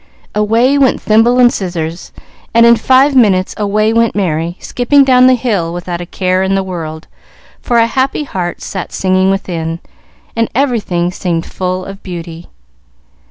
Away went thimble and scissors, and in five minutes away went Merry, skipping down the hill without a care in the world, for a happy heart sat singing within, and everything seemed full of beauty.